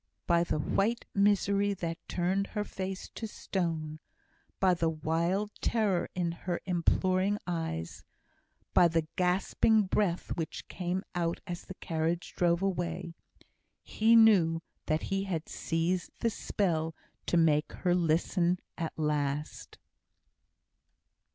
By the white misery that turned her face to stone by the wild terror in her imploring eyes by the gasping breath which came out as the carriage drove away he knew that he had seized the spell to make her listen at last.